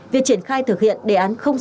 việc triển khai thực hiện đề án sáu